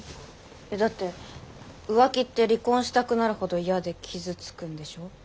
えっだって浮気って離婚したくなるほど嫌で傷つくんでしょ？